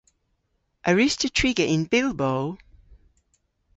A wruss'ta triga yn Bilbo?